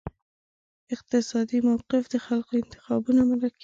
اقتصادي موقف د خلکو انتخابونه منعکسوي.